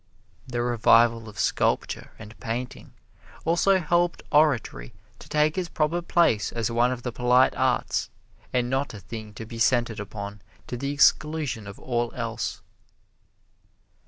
The revival of sculpture and painting also helped oratory to take its proper place as one of the polite arts, and not a thing to be centered upon to the exclusion of all else.